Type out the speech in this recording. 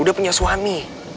udah punya suami